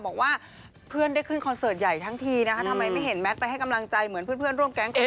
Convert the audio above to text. บอกว่าเพื่อนได้ขึ้นคอนเสิร์ตใหญ่ทั้งทีนะคะทำไมไม่เห็นแมทไปให้กำลังใจเหมือนเพื่อนร่วมแก๊งเอง